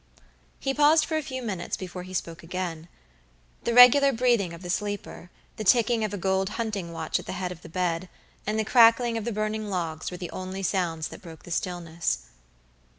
He paused for a few minutes before he spoke again. The regular breathing of the sleeper the ticking of a gold hunting watch at the head of the bed, and the crackling of the burning logs, were the only sounds that broke the stillness.